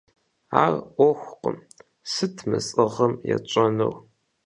Ар Ӏуэхукъым, сыт мы сӀыгъым етщӀэнур?